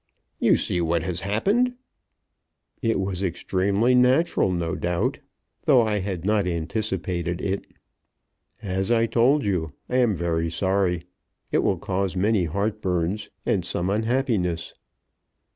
"You see what has happened." "It was extremely natural, no doubt, though I had not anticipated it. As I told you, I am very sorry. It will cause many heartburns, and some unhappiness."